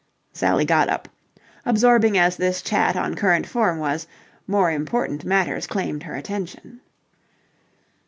Sally got up. Absorbing as this chat on current form was, more important matters claimed her attention.